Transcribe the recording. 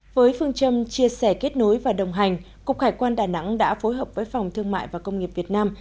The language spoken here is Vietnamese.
với phương châm chia sẻ kết nối và đồng hành cục hải quan đà nẵng đã phối hợp với phòng thương mại và công nghiệp việt nam